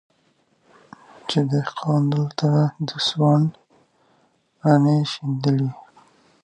چي دهقان دلته د سونډ دانې شیندلې